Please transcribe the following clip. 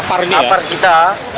pake apar kita